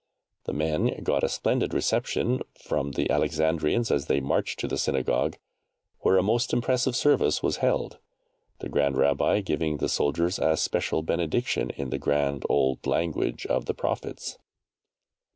The men got a splendid reception from the Alexandrians as they marched to the Synagogue, where a most impressive service was held, the Grand Rabbi giving the soldiers a special benediction in the grand old language of the Prophets.